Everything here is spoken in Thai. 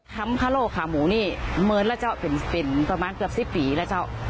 ทำพะโล้ขาหมูนี้เหมือนแบบเกือบ๑๐ปีแลอาจ้า